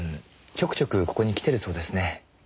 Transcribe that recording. ちょくちょくここに来てるそうですね。